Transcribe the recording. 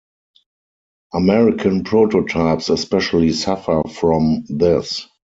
American prototypes especially suffer from this.